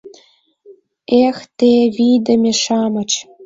— Эх те, вийдыме-шамыч.